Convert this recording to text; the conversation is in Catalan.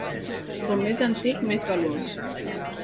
Com més antic, més valuós.